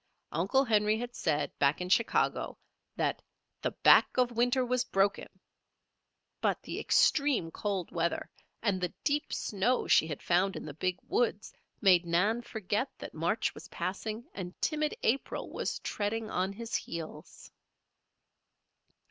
Uncle Henry had said, back in Chicago, that "the back of winter was broken"; but the extreme cold weather and the deep snow she had found in the Big Woods made Nan forget that March was passing and timid April was treading on his heels.